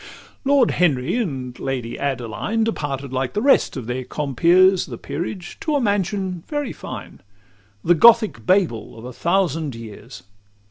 L Lord Henry and the Lady Adeline Departed like the rest of their compeers, The peerage, to a mansion very fine; The Gothic Babel of a thousand years.